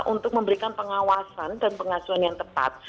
untuk memberikan pengawasan dan pengasuhan yang tepat